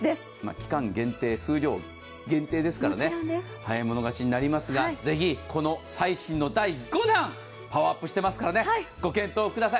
期間限定、数量限定ですから早い者勝ちになりますが、ぜひこの最新の第５弾、パワーアップしてますからご検討ください。